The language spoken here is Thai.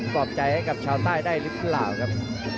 ปลอบใจให้กับชาวใต้ได้หรือเปล่าครับ